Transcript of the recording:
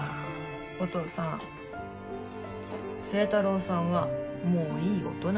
お父さん星太郎さんはもういい大人なんです。